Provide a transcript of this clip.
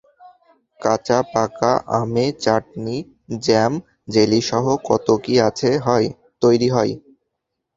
কাঁচা-পাকা আমে চাটনি, জ্যাম, জেলিসহ কত কী তৈরি হয়!